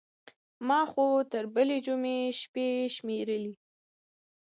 خو ما تر بلې جمعې شېبې شمېرلې.